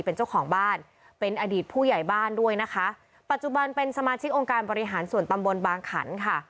เป็นเจ้าของบ้านเป็นอดีตผู้ใหญ่บ้านด้วยนะคะปัจจุบันเป็นสมาชิกองค์การบริหารส่วนตำบลบางขันค่ะ